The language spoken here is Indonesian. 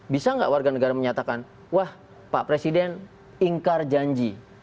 bisa nggak warga negara menyatakan wah pak presiden ingkar janji